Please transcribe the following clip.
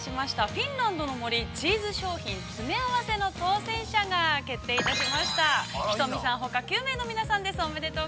「フィンランドの森チーズ商品詰め合わせ」の当選者が決定いたしました！